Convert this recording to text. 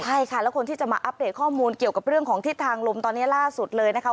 ใช่ค่ะแล้วคนที่จะมาอัปเดตข้อมูลเกี่ยวกับเรื่องของทิศทางลมตอนนี้ล่าสุดเลยนะคะ